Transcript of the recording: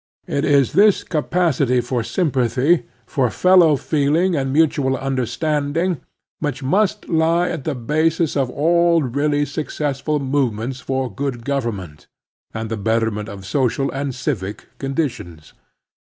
It is this capacity for sympathy, for fellow " feeling and mutual understanding, which must lie at the basis of all really successful movements f or^ good government and the betterment of social and civic conditions.